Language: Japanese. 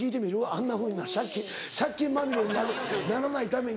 あんなふうに借金まみれにならないために。